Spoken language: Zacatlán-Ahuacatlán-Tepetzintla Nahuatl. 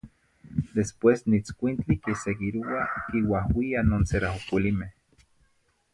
Después nitzcuintli quiseguiroa quiuahuia non ceraocuilimeh, ...